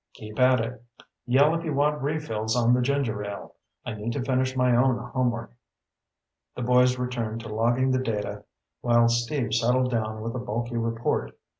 Keep at it. Yell if you want refills on the ginger ale. I need to finish my own homework." The boys returned to logging the data while Steve settled down with a bulky report.